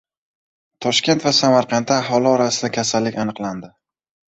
Toshkent va Samarqandda aholi orasida kasallik aniqlandi